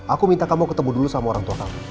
aku minta kamu ketemu dulu sama orang tua kamu